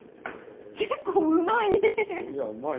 結構うまい。